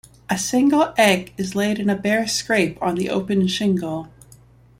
A single egg is laid in a bare scrape on the open shingle.